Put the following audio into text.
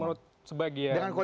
menurut sebagian teman teman ya